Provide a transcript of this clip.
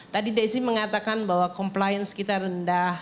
tadi desi mengatakan bahwa compliance kita rendah